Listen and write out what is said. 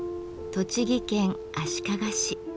栃木県足利市。